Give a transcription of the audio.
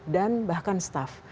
dan bahkan staff